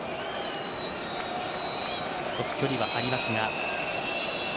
少し距離はありますが。